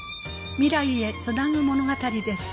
未来へつなぐ物語です。